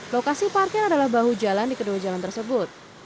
lokasi parkir adalah bahu jalan di kedua jalan tersebut